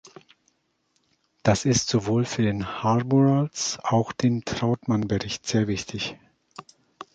Das ist sowohl für den Harbourals auch den Trautmann-Bericht sehr wichtig.